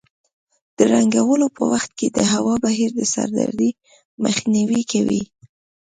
د رنګولو په وخت کې د هوا بهیر د سردردۍ مخنیوی کوي.